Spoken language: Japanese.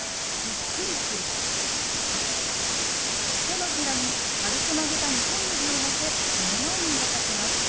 手のひらに軽く曲げた２本指をのせこのように動かします。